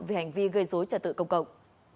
vì hành vi gây dối trả tự công cộng